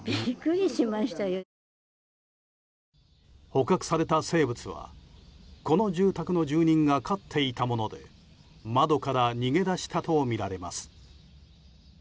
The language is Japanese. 捕獲された生物はこの住宅の住人が飼っていたもので窓から逃げ出したとみられます。